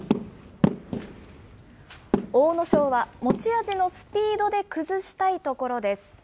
阿武咲は持ち味のスピードで崩したいところです。